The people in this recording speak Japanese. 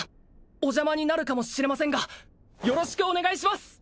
お邪魔になるかもしれませんがよろしくお願いします！